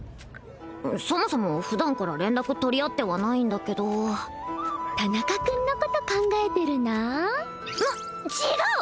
そもそも普段から連絡取り合ってはないんだけど田中君のこと考えてるななっ違う！